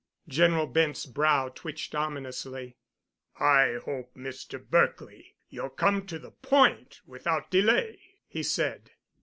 General Bent's brow twitched ominously. "I hope, Mr. Berkely, you'll come to the point without delay," he said.